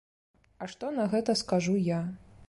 А што на гэта скажу я?